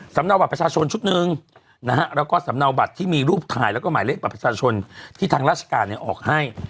สำหรับบัตรประชาชนชุดหนึ่งนะฮะแล้วก็สำเนาบัตรที่มีรูปถ่ายแล้วก็หมายเลขบัตรประชาชนที่ทางราชการออกให้